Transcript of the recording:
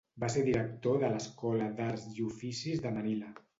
Va ser director de l'Escola d'Arts i Oficis de Manila.